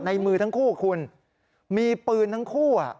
ในมือทั้งคู่คุณมีปืนทั้งคู่